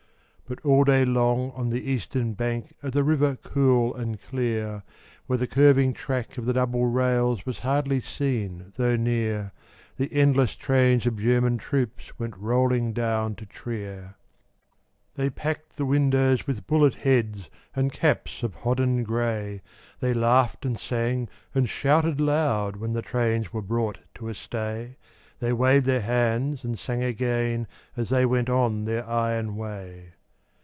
But all day long on the eastern bank Of the river cool and clear, Where the curving track of the double rails Was hardly seen though near, The endless trains of German troops Went rolling down to Trier. They packed the windows with bullet heads And caps of hodden gray; They laughed and sang and shouted loud When the trains were brought to a stay; They waved their hands and sang again As they went on their iron way.